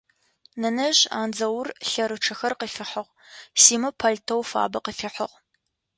Нэнэжъ Андзаур лъэрычъэхэр къыфихьыгъ, Симэ палътэу фабэ къыфихьыгъ.